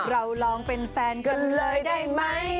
เราลองเป็นแฟนกันเลยได้ไหม